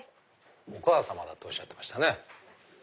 お母さまだとおっしゃってましたね。